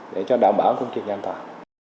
để cho đảm bảo công trình an toàn